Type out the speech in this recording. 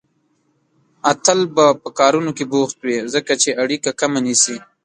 اتل به په کارونو کې بوخت وي، ځکه چې اړيکه کمه نيسي.